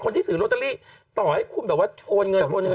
คนที่สื่อโรตอรี่ต่อให้คุมแต่ว่าโทนเงินแล้ว